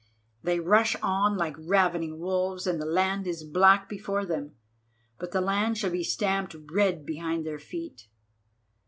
They rush on like ravening wolves, and the land is black before them, but the land shall be stamped red behind their feet.